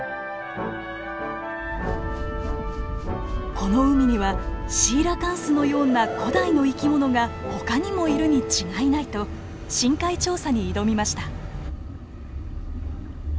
この海にはシーラカンスのような古代の生き物がほかにもいるに違いないと深海調査に挑みました。